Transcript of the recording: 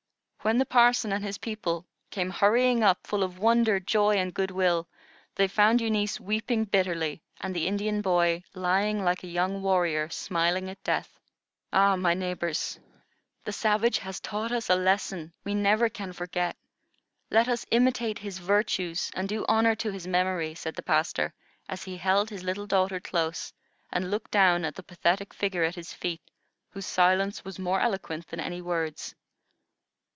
When the parson and his people came hurrying up full of wonder, joy, and good will, they found Eunice weeping bitterly, and the Indian boy lying like a young warrior smiling at death. "Ah, my neighbors, the savage has taught us a lesson we never can forget. Let us imitate his virtues, and do honor to his memory," said the pastor, as he held his little daughter close and looked down at the pathetic figure at his feet, whose silence was more eloquent than any words.